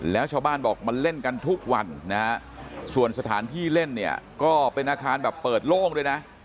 แล้วชาวบ้านบอกมันเล่นกันทุกวันนะฮะส่วนสถานที่เล่นเนี่ยก็เป็นอาคารแบบเปิดโล่งด้วยนะ